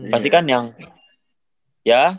pasti kan yang ya